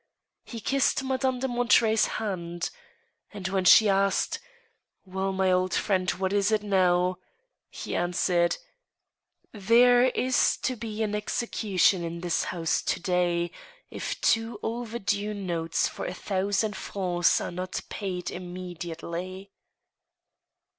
He kissed Madame de Monterey's hand. And when she asked, " Well, my old friend, what is it now ?" he answered :There is to be an execution in this house to day if two over due notes for a thousand francs each are not paid immediately."